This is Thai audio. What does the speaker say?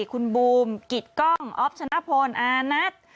คุณบูมกิจกล้องอ๊อฟชนะพลอานัท